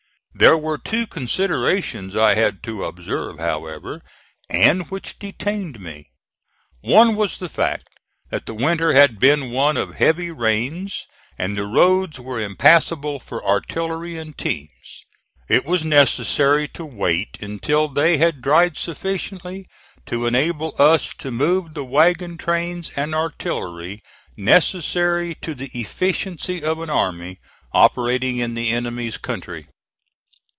There were two considerations I had to observe, however, and which detained me. One was the fact that the winter had been one of heavy rains, and the roads were impassable for artillery and teams. It was necessary to wait until they had dried sufficiently to enable us to move the wagon trains and artillery necessary to the efficiency of an army operating in the enemy's country.